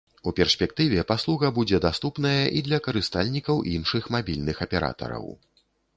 У перспектыве паслуга будзе даступная і для карыстальнікаў іншых мабільных аператараў.